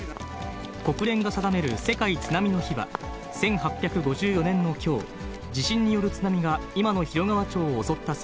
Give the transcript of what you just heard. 国連が定める世界津波の日は、１８５４年のきょう、地震による津波が今の広川町を襲った際、